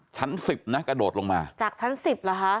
ชั้นสิบกดดลงมาจากชั้นสิบเหรอคะ